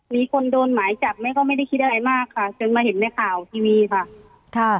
มีคนโดนหมายจับแม่ก็ไม่ได้คิดอะไรมากค่ะจนมาเห็นในข่าวทีวีค่ะ